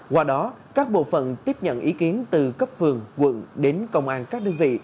qua đó các bộ phận tiếp nhận ý kiến từ cấp vườn quận đến công an các đơn vị